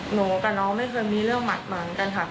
หนูกับน้องไม่เคยมีเรื่องหัดหมางกันค่ะ